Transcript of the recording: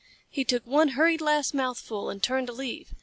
He took one hurried last mouthful and turned to leave.